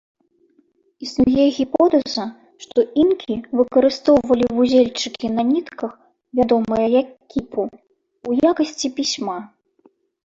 Існуе гіпотэза, што інкі выкарыстоўвалі вузельчыкі на нітках, вядомыя як кіпу, у якасці пісьма.